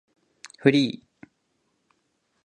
フリー